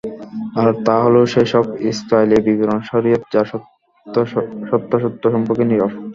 আর তাহলো সে সব ইসরাঈলী বিবরণ, শরীয়ত যার সত্যাসত্য সম্পর্কে নিরব।